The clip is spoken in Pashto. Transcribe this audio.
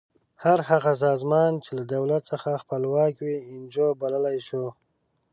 هر هغه سازمان چې له دولت څخه خپلواک وي انجو بللی شو.